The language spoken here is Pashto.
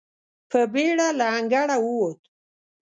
په بېړه له انګړه ووت.